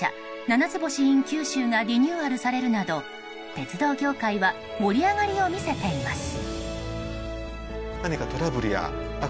「ななつ星ｉｎ九州」がリニューアルされるなど鉄道業界は盛り上がりを見せています。